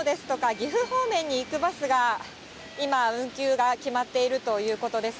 岐阜方面に行くバスが、今、運休が決まっているということです。